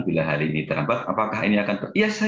bila hari ini terdapat apakah ini akan berpengaruh